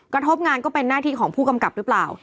กระทบงานก็เป็นหน้าที่ของผู้กำกับหรือเปล่า